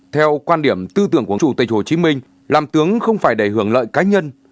theo quan điểm tư tưởng của chủ tịch hồ chí minh làm tướng không phải để hưởng lợi cá nhân